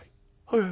「はい。